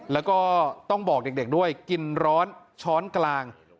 และก็ต้องบอกเด็กด้วยกินร้อนช้อนกลางล้างมือครับ